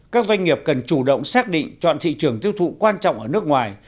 các doanh nghiệp cần chủ động xác định chọn thị trường tiêu thụ quan trọng ở nước ngoài